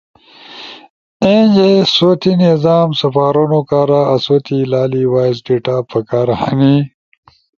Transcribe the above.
اینجے سوتی نظام سپارونو کارا آسو تی لالی وائس ڈیٹا پکار ہنی۔